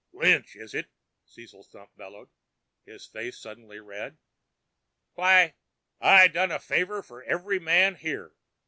"Lynch, is it!" Cecil Stump bellowed, his face suddenly red. "Why, I done a favor for every man here!